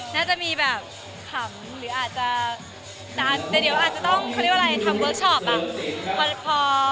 น่าจะมีคำหรืออาจจะต้องทำเวิร์กชอป